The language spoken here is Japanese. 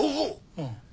うん。